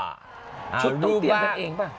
ชุดต้องเตรียมกันเองป่ะ